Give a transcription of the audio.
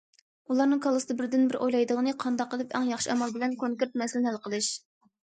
ئۇلارنىڭ كاللىسىدا بىردىنبىر ئويلايدىغىنى قانداق قىلىپ ئەڭ ياخشى ئامال بىلەن كونكرېت مەسىلىنى ھەل قىلىش.